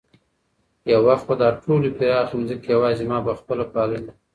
یو وخت به دا ټولې پراخې ځمکې یوازې ما په خپله پاللې.